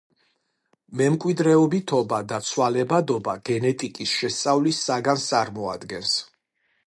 მემკვიდრეობითობა და ცვალებადობა გენეტიკის შესწავლის საგანს წარმოადგენს.